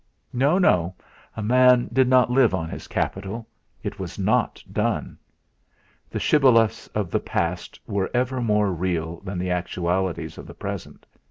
No, no; a man did not live on his capital; it was not done! The shibboleths of the past are ever more real than the actualities of the present.